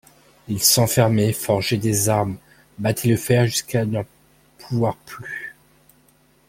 Il s'enfermait, forgeait des armes, battait le fer jusqu'à n'en pouvoir plus.